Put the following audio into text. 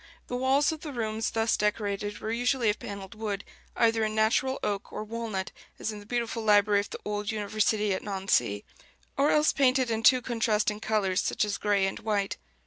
The walls of the rooms thus decorated were usually of panelled wood, either in natural oak or walnut, as in the beautiful library of the old university at Nancy, or else painted in two contrasting colors, such as gray and white.